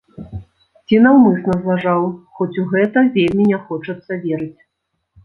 Ці наўмысна злажаў, хоць у гэта вельмі не хочацца верыць.